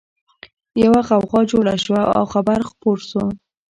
يوه غوغا جوړه شوه او خبر خپور شو